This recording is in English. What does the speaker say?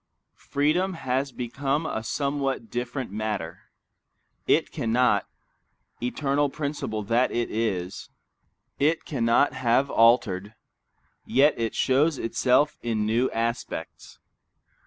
Freedom has become a somewhat different matter. It cannot, eternal principle that it is, it cannot have altered, yet it shows itself in new aspects.